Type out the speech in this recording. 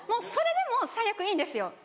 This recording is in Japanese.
それでも最悪いいんですよ。